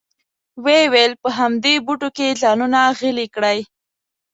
وې ویل په همدې بوټو کې ځانونه غلي کړئ.